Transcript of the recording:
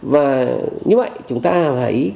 và như vậy chúng ta phải